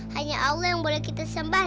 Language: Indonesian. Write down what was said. hanya allah yang boleh kita sembah